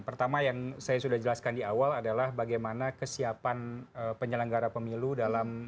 pertama yang saya sudah jelaskan di awal adalah bagaimana kesiapan penyelenggara pemilu dalam